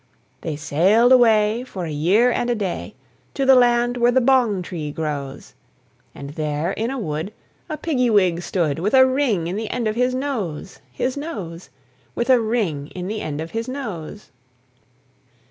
They sailed away for a year and a day To the land where the Bong tree grows, And there in a wood a piggy wig stood With a ring in the end of his nose, His nose, With a ring in the end of his nose.